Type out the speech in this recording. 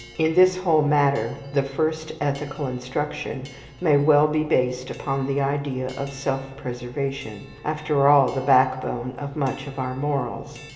In this whole matter the first ethical instruction may well be based upon the idea of self preservation after all the backbone of much of our morals.